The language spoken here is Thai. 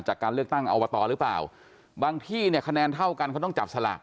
จากการเลือกตั้งอบตหรือเปล่าบางที่เนี่ยคะแนนเท่ากันเขาต้องจับสลาก